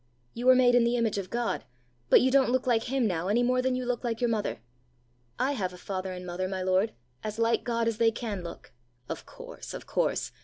You were made in the image of God, but you don't look like him now any more than you look like your mother. I have a father and mother, my lord, as like God as they can look!" "Of course! of course!